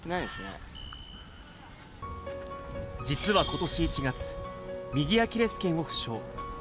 実はことし１月、右アキレスけんを負傷。